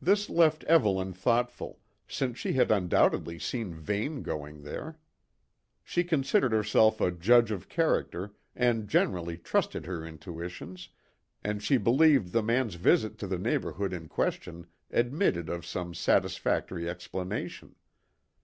This left Evelyn thoughtful, since she had undoubtedly seen Vane going there. She considered herself a judge of character and generally trusted her intuitions, and she believed the man's visit to the neighbourhood in question admitted of some satisfactory explanation.